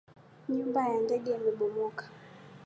Nyumba ya ndege imebomoka